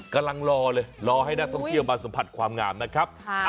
กำลังรอเลยรอให้นักท่องเที่ยวมาสัมผัสความงามนะครับ